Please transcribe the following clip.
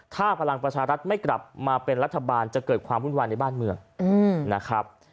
ถ้าพลังประชารัฐไม่กลับมาเป็นรัฐบาลจะเกิดความวุ่นวายในบ้านเมืองนะครับ